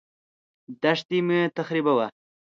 دښتې مه تخریبوه.